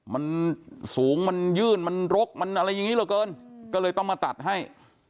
มันสูงมันยื่นมันรกมันอะไรอย่างนี้เหลือเกินก็เลยต้องมาตัดให้